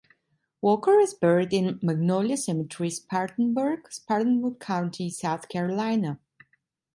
Walker is buried in Magnolia Cemetery, Spartanburg, Spartanburg County, South Carolina.